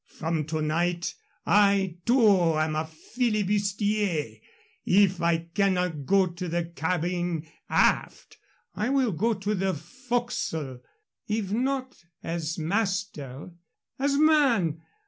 From to night, I, too, am a flibustier. If I cannot go in the cabin, aft, I will go in the forecastle; if not as master, as man.